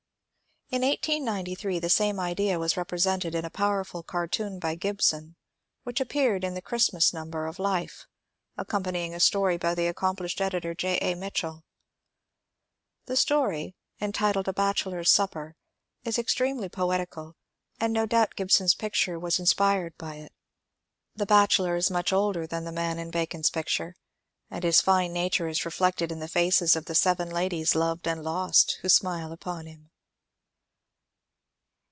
In 1893 the same idea was represented in a powerfol cartoon by Gibson which appeared in the Christmas nomber of ^* Life," accompanying a story by the accomplished editor, J. A. MitchelL The story, entitled "^ A Bachelor's Supper," is extremely poetical, and no doubt GKbson's picture was in spired by it. The bachelor is much older than the man in Bacon's picture, and his fine nature is reflected in the faces of the seven ladies loved and lost who smile upon him.